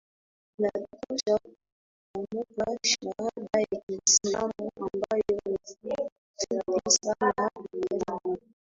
inatosha kutamka shahada ya Kiislamu ambayo ni fupi sana Ashaddu